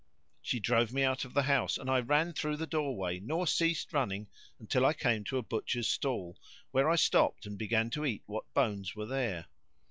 She drove me out of the house, and I ran through the doorway nor ceased running until I came to a butcher's stall, where I stopped and began to eat what bones were there.